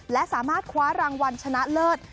และสามารถคว้ารางวัลชนะเลิศ